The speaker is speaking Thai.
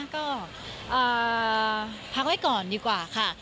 ก็พักไว้ก่อนดีกว่าค่ะ